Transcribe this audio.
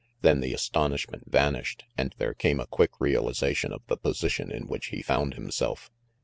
Then the astonishment vanished, and there came a quick realization of the position in which he found himself.